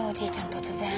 突然。